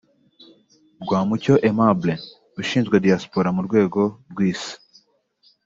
Rwamucyo Aimable ushinzwe Diaspora mu rwego rw’Isi